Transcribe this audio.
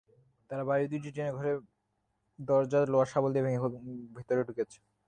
তারা বাড়ির দুটি টিনের ঘরের দরজা লোহার শাবল দিয়ে ভেঙে ভেতরে ঢুকে।